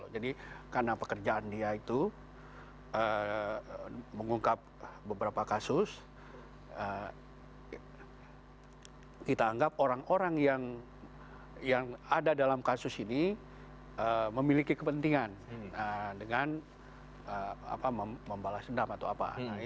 jadi karena pekerjaan dia itu mengungkap beberapa kasus kita anggap orang orang yang ada dalam kasus ini memiliki kepentingan dengan membalas dendam atau apa